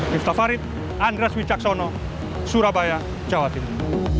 diksa farid andres wijaksono surabaya jawa timur